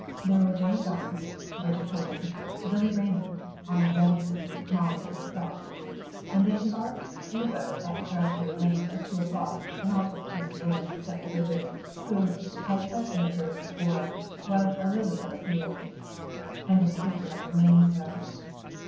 They were Jane Dawn, Bridget Hogan, Billy Raymond, Arnold Denison, Molly and himself, and they embarked in a boat at Crabtree Lane at two o'clock, and all took turns of rowing except Bridget, who, as has been observed before, was a lily of the field, and insisted on remaining so.